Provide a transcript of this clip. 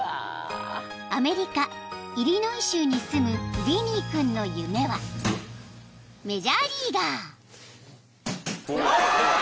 ［アメリカイリノイ州に住むヴィニー君の夢はメジャーリーガー］